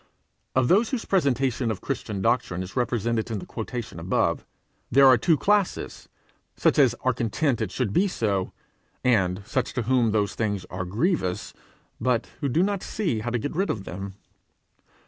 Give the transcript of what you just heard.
Of those whose presentation of Christian doctrine is represented in the quotation above, there are two classes such as are content it should be so, and such to whom those things are grievous, but who do not see how to get rid of them.